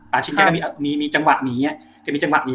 ป่าชิ้นแกก็มีจังหวะหนี